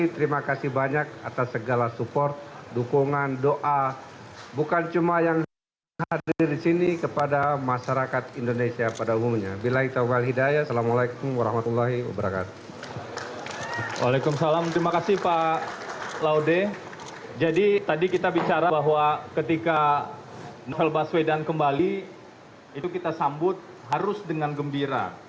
terima kasih pak laude jadi tadi kita bicara bahwa ketika novel baswedan kembali itu kita sambut harus dengan gembira